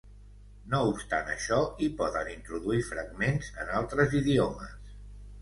No obstant això, hi poden introduir fragments en altres idiomes.